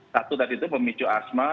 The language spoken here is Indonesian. satu tadi itu pemicu asma